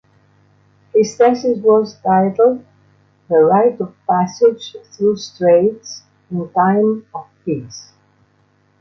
His thesis was titled "The right of passage through straits in time of peace".